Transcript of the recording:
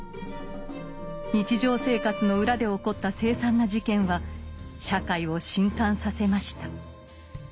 日常生活の裏で起こった凄惨な事件は社会を震撼させました。